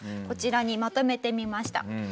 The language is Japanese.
こちらにまとめてみました。